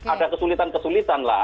ada kesulitan kesulitan lah